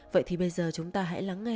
vậy thì bây giờ chúng ta hãy lắng nghe